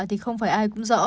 thì không phải ai cũng rõ